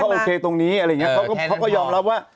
โอเคตรงนี้อะไรอย่างนี้เขาก็ยอมรับว่า